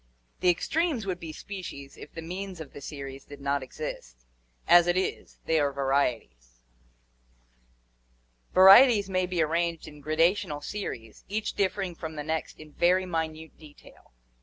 3). The extremes would be species if the means of the series did not exist; as it is, they are varieties. Vari eties may be arranged in gradational series, each differing from the next in very minute detail.